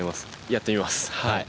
やってみます。